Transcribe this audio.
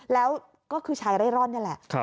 แล้วก็คือชายเร่ร่อนนี่แหละ